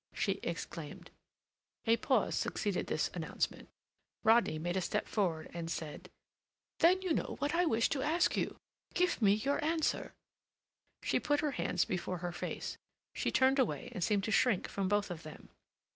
she exclaimed. A pause succeeded this announcement. Rodney made a step forward and said: "Then you know what I wish to ask you. Give me your answer—" She put her hands before her face; she turned away and seemed to shrink from both of them.